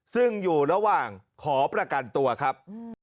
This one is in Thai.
ซึ่งอยู่ระหว่างขอประกันตัวครับ